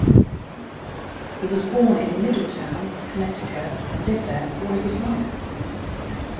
He was born in Middletown, Connecticut and lived there all his life.